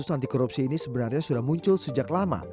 kasus anti korupsi ini sebenarnya sudah muncul sejak lama